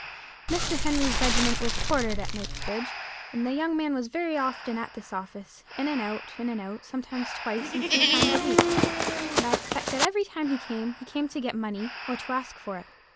Mr. Henry's regiment was quartered at Knightsbridge, and the young man was very often at this office, in and out, in and out, sometimes twice and three times a week; and I expect that every time he came, he came to get money, or to ask for it.